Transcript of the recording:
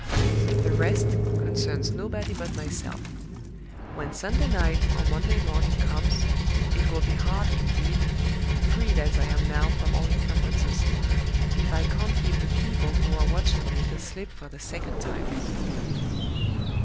The rest concerns nobody but myself. When Sunday night or Monday morning comes, it will be hard, indeed freed as I am now from all incumbrances if I can't give the people who are watching me the slip for the second time.